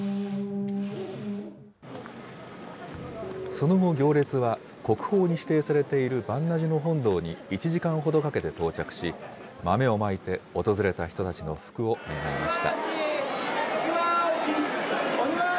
その後、行列は国宝に指定されている鑁阿寺の本堂に１時間ほどかけて到着し、豆をまいて訪れた人たちの福を願いました。